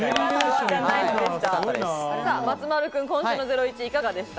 松丸さん、今週の『ゼロイチ』いかがでした？